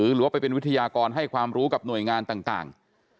หรือว่าไปเป็นวิทยากรให้ความรู้กับหน่วยงานต่าง